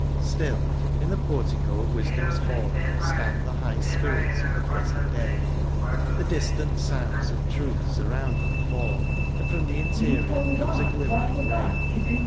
XIV. Still, in the portico of wisdom's hall/ Stand the high spirits of the present day ; The distant sounds of truths around them £edl. And from the interior comes a glimmering ray.